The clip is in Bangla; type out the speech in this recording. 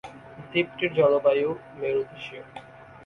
দ্বীপটির জলবায়ু মেরুদেশীয়।